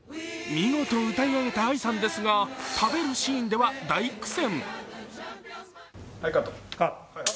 見事、歌い上げたＡＩさんですが、食べるシーンでは大苦戦。